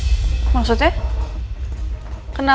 adalah kasus yang gak mungkin anda bisa menangkan